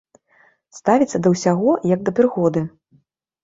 Ставіцца да ўсяго як да прыгоды.